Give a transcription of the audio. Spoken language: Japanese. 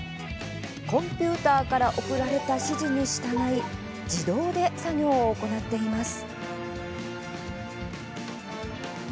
コンピューターから送られた指示に従い自動で作業を行っています。